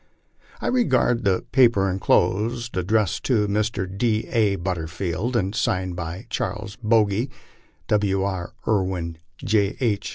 I regard the paper enclosed, addressed to Mr. D. A. But terfield, and signed by Charles Bogy, W. B. Irwin, J. H.